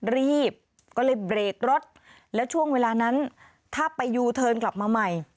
รีบก็เลยเบรกรถแล้วช่วงเวลานั้นถ้าไปยูเทิร์นกลับมาใหม่